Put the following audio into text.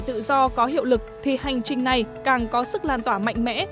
thương mại tự do có hiệu lực thì hành trình này càng có sức lan tỏa mạnh mẽ